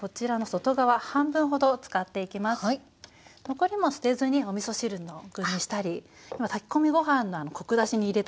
残りも捨てずにおみそ汁の具にしたり炊き込みご飯のコク出しに入れたりとか。